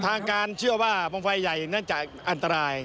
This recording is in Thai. ทางการเชื่อว่าบางไฟใหญ่น่าจะอันตราย